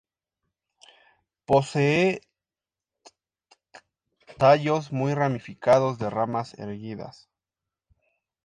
Posee tallos muy ramificados de ramas erguidas.